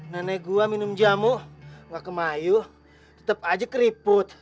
nenek gua minum jamu gak kebayu tetep aja keriput